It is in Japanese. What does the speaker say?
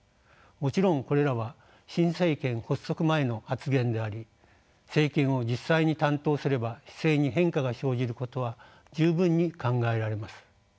もちろんこれらは新政権発足前の発言であり政権を実際に担当すれば姿勢に変化が生じることは十分に考えられます。